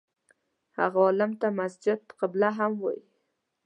هغه عالم ته مسجد قبله هم وایي.